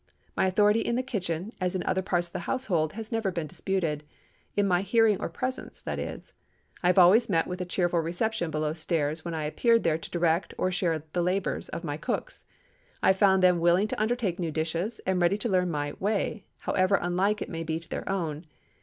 My authority in the kitchen, as in other parts of the household, has never been disputed—in my hearing or presence, that is. I have always met with a cheerful reception below stairs when I appeared there to direct or share the labors of my cooks; have found them willing to undertake new dishes, and ready to learn my "way," however unlike it might be to their own.